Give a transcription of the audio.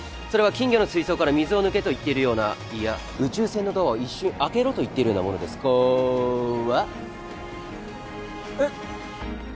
それは金魚の水槽から水を抜けと言っているようないや宇宙船のドアを一瞬開けろと言っているようなものですこっわ！